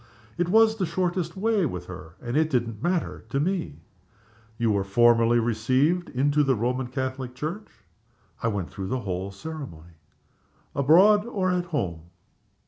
"It was the shortest way with her and it didn't matter to me." "You were formally received into the Roman Catholic Church?" "I went through the whole ceremony." "Abroad or at home?"